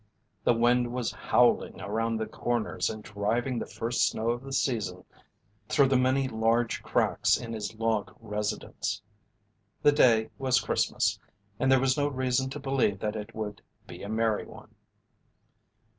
The wind was howling around the corners and driving the first snow of the season through the many large cracks in his log residence. The day was Christmas, and there was no reason to believe that it would be a merry one.